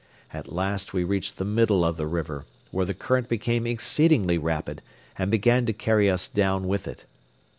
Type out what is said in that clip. At last we reached the middle of the river, where the current became exceedingly rapid and began to carry us down with it.